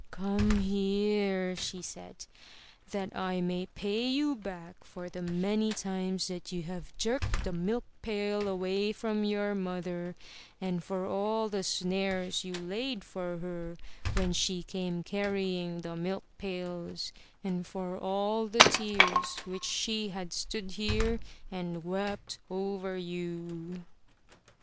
"Come here!*' she said, "that I may pay you back for the many times that you have jerked the milk pail away from your mother, and for all the snares you laid for her when she came carrying the milk pails and for all the tears which she has stood here and wept over you!"